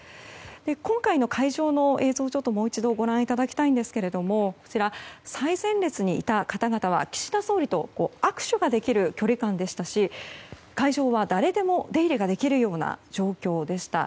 今回の会場の映像をもう一度ご覧いただきたいんですが最前列にいた方々は岸田総理と握手ができる距離感でしたし、会場は誰でも出入りができるような状況でした。